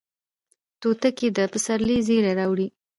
توتکۍ د پسرلي زیری راوړي